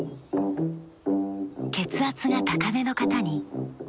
血圧が高めの方に。